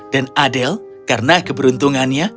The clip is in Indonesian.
dan adele karena keberuntungannya